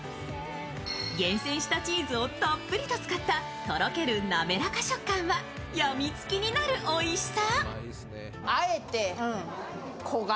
厳選したチーズをたっぷりと使ったとろける滑らか食感はやみつきになるおいしさ。